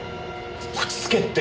落ち着けって。